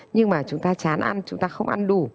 nhưng mà chúng ta chán ăn chúng ta không ăn đủ